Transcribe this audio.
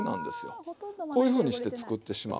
こういうふうにして作ってしまう。